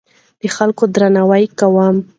د خلکو درناوی کوم.